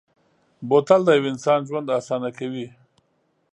بوتل د یو انسان ژوند اسانه کوي.